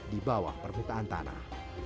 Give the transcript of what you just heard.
di bawah permukaan tanah